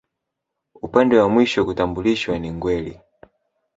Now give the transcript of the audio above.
Upande wa mwisho kutambulishwa ni Ngweli